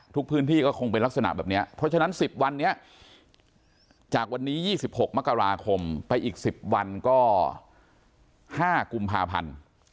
พื้นที่ก็คงเป็นลักษณะแบบนี้เพราะฉะนั้น๑๐วันนี้จากวันนี้๒๖มกราคมไปอีก๑๐วันก็๕กุมภาพันธ์